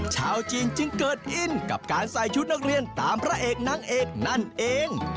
ชาวจีนจึงเกิดอินกับการใส่ชุดนักเรียนตามพระเอกนางเอกนั่นเอง